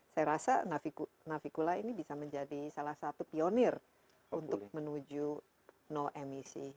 saya rasa navicula ini bisa menjadi salah satu pionir untuk menuju no emisi